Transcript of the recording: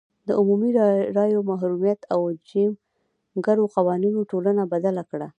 د عمومي رایو محرومیت او جیم کرو قوانینو ټولنه بدله کړه.